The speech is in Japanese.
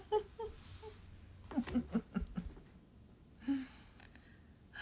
フフフ。